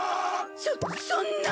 そそんな！